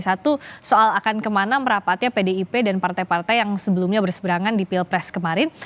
satu soal akan kemana merapatnya pdip dan partai partai yang sebelumnya berseberangan di pilpres kemarin